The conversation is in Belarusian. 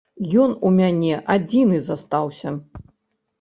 Ён у мяне адзіны застаўся.